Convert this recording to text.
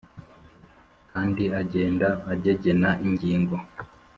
Kandi agenda agegena ingingo